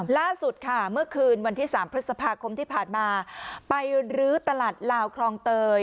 ล่าสุดค่ะเมื่อคืนวันที่๓พฤษภาคมที่ผ่านมาไปรื้อตลาดลาวคลองเตย